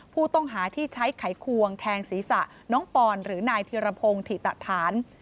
ผู้ต้องหาที่ใช้ไขควงแทงศีรษะน้องปอนหรือนายธิรพงศ์ถิตฐาน